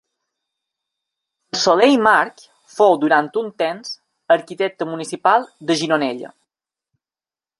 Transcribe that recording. En Soler i March fou durant un temps arquitecte municipal de Gironella.